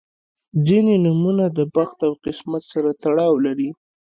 • ځینې نومونه د بخت او قسمت سره تړاو لري.